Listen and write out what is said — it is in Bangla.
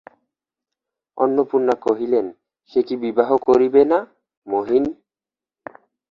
অন্নপূর্ণা কহিলেন, সে কি বিবাহ করিবে না, মহিন।